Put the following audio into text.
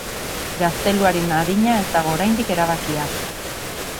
Gazteluaren adina ez dago oraindik erabakia.